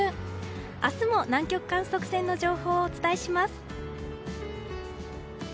明日も南極観測船の情報をお伝えします。